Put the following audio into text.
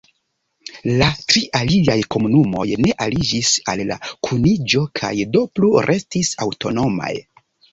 La tri aliaj komunumoj ne aliĝis al la kuniĝo kaj do plu restis aŭtonomaj.